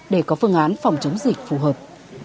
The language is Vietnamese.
để có phương án phòng chống dịch phù hợp